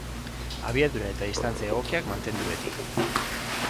Abiadura eta distantzia egokiak mantendu beti.